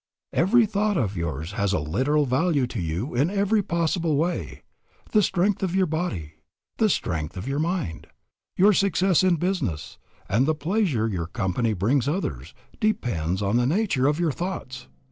"Every thought of yours has a literal value to you in every possible way. The strength of your body, the strength of your mind, your success in business, and the pleasure your company brings others, depends on the nature of your thoughts.